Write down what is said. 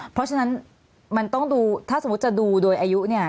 เพราะฉะนั้นมันต้องดูถ้าสมมุติจะดูโดยอายุเนี่ย